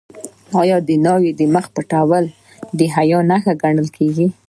آیا د ناوې د مخ پټول د حیا نښه نه ګڼل کیږي؟